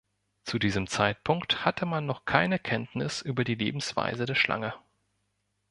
Zu diesem Zeitpunkt hatte man noch keine Kenntnisse über die Lebensweise der Schlange.